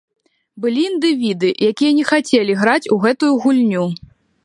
Былі індывіды, якія не хацелі граць у гэтую гульню.